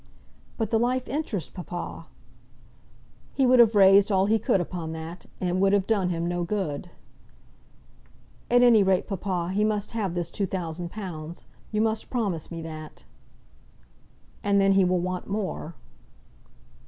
"But the life interest, papa!" "He would have raised all he could upon that, and it would have done him no good." "At any rate, papa, he must have this two thousand pounds. You must promise me that." "And then he will want more."